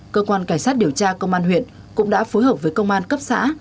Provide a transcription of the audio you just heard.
cơ quan cảnh sát điều tra công an huyện cũng đã phối hợp với công an cấp xã